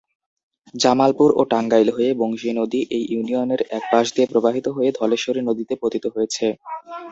জামালপুর ও টাঙ্গাইল হয়ে বংশী নদী এই ইউনিয়নের এক পাশ দিয়ে প্রবাহিত হয়ে ধলেশ্বরী নদীতে পতিত হয়েছে।